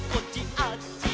あっち！」